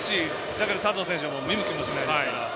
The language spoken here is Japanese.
だけど、佐藤選手は見向きもしないですから。